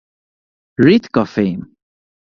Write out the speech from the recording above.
Ritka fém.